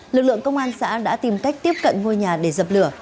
lực lượng công an xã đã tìm cách tiếp cận ngôi nhà để dập lửa